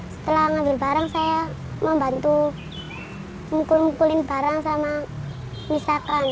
setelah ngambil barang saya membantu mukul mukulin barang sama misalkan